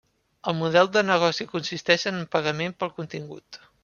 El model de negoci consisteix en pagament pel contingut.